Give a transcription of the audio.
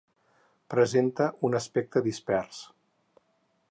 Presenta un aspecte dispers.